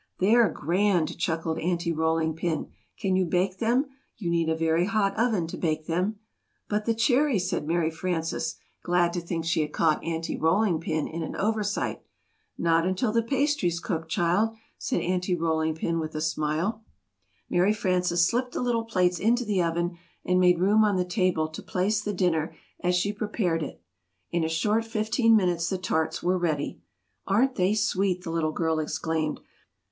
"They're grand!" chuckled Aunty Rolling Pin. "Can you bake them? You need a very hot oven to bake them." "But the cherries!" said Mary Frances, glad to think she had caught Aunty Rolling Pin in an oversight. "Not until the pastry's cooked, child," said Aunty Rolling Pin, with a smile. Mary Frances slipped the little plates into the oven, and made room on the table to place the dinner as she prepared it. In a short fifteen minutes the tarts were ready. "Aren't they sweet!" the little girl exclaimed.